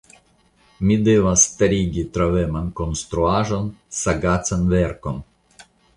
Mi devas starigi troveman konstruaĵon, sagacan verkon.